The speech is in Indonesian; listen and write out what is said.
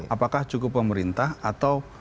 apakah cukup pemerintah atau